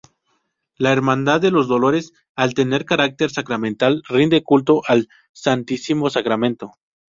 La Hermandad de los Dolores, al tener carácter sacramental, rinde culto al Santísimo Sacramento.